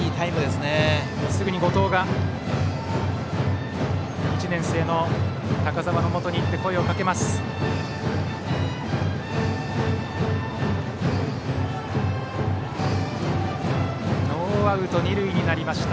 すぐに後藤が１年生の高澤のもとへ行って声をかけます。